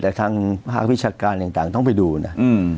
แต่ทางภาควิชาการต่างต้องไปดูนะ